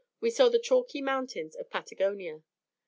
we saw the chalky mountains of Patagonia.